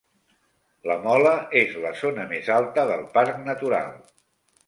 La Mola és la zona més alta del Parc Natural.